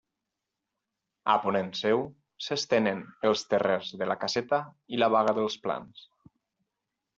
A ponent seu s'estenen els Terrers de la Caseta i la Baga dels Plans.